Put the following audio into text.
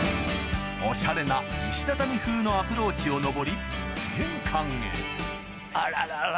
おしゃれな石畳風のアプローチを上りあららら